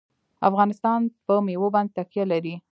افغانستان په مېوې باندې تکیه لري.